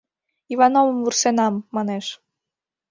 «Ивановым вурсенам!» — манеш.